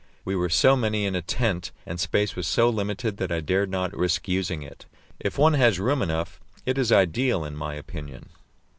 We were so many in a tent, and space was so limited, that I dared not risk using it. If one has room enough, it is ideal in my opinion.